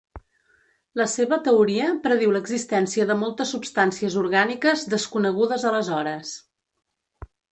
La seva teoria prediu l'existència de moltes substàncies orgàniques desconegudes aleshores.